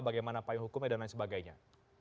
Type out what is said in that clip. bagaimana payung hukumnya dan lain sebagainya